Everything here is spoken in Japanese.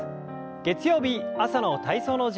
月曜日朝の体操の時間です。